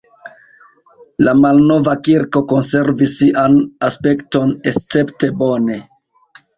La malnova kirko konservis sian aspekton escepte bone.